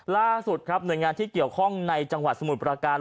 ล่าสุดครับหน่วยงานที่เกี่ยวข้องในจังหวัดสมุทรประการ